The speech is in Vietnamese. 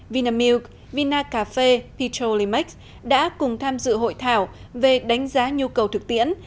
vinamilk vinacafé petrolimax đã cùng tham dự hội thảo về đánh giá nhu cầu thực tiễn